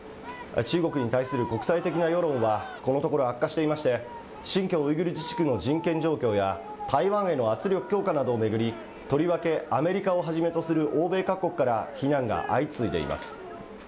中国に対する国際的な世論はこのところ悪化していまして、新疆ウイグル自治区の人権状況や、台湾への圧力強化などを巡り、とりわけアメリカをはじめとする欧米各国から非難が相次いでいます。